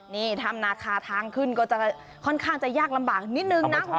นี่ถ้ำนาคาทางขึ้นก็จะค่อนข้างจะยากลำบากนิดนึงนะ